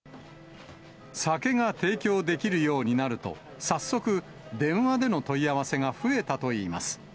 酒が提供できるようになると、早速、電話での問い合わせが増えたといいます。